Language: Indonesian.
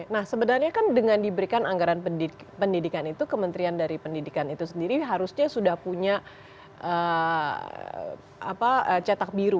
nah sebenarnya kan dengan diberikan anggaran pendidikan itu kementerian dari pendidikan itu sendiri harusnya sudah punya cetak biru